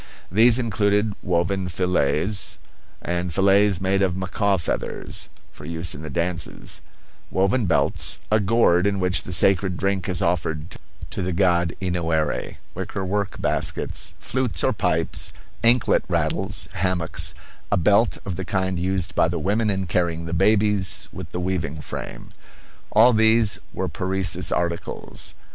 These included woven fillets, and fillets made of macaw feathers, for use in the dances; woven belts; a gourd in which the sacred drink is offered to the god Enoerey; wickerwork baskets; flutes or pipes; anklet rattles; hammocks; a belt of the kind used by the women in carrying the babies, with the weaving frame. All these were Parecis articles.